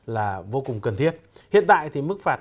là vô cùng cần thiết hiện tại thì mức phạt